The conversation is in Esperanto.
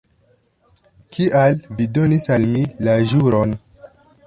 Kial vi donis al mi la ĵuron?